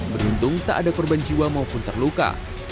beruntung tak ada korban jiwa maupun terluka